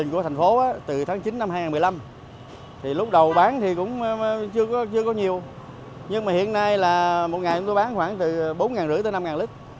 chưa có nhiều nhưng mà hiện nay là một ngày tôi bán khoảng từ bốn năm trăm linh tới năm lít